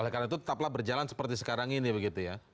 karena itu tetaplah berjalan seperti sekarang ini begitu ya